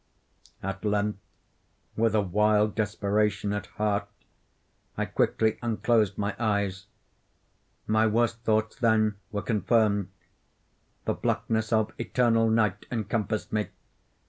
At length, with a wild desperation at heart, I quickly unclosed my eyes. My worst thoughts, then, were confirmed. The blackness of eternal night encompassed me.